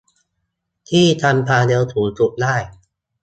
ที่ทำความเร็วสูงสุดได้